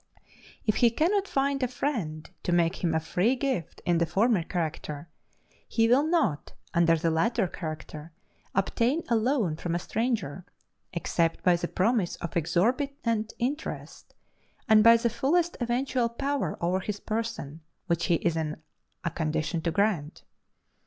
If he cannot find a friend to make him a free gift in the former character, he will not, under the latter character, obtain a loan from a stranger, except by the promise of exorbitant interest, and by the fullest eventual power over his person which he is in a condition to grant.